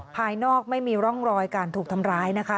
ภายนอกไม่มีร่องรอยการถูกทำร้ายนะคะ